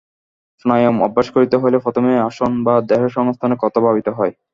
প্রাণায়াম অভ্যাস করিতে হইলে প্রথমেই আসন বা দেহসংস্থানের কথা ভাবিতে হয়।